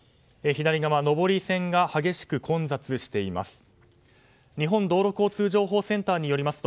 左側、上り線が激しく混雑しています。